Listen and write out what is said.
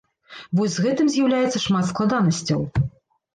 Вось з гэтым з'яўляецца шмат складанасцяў.